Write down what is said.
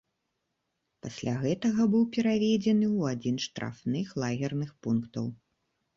Пасля гэтага быў пераведзены ў адзін з штрафных лагерных пунктаў.